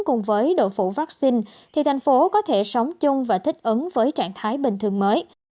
cùng với độ phủ vaccine thì thành phố có thể sống chung và thích ứng với trạng thái bình thường mới